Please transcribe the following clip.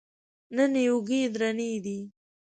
نن یې اوږې درنې دي.